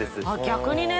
逆にね